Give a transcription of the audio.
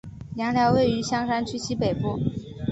杨寮位于香山区西北部。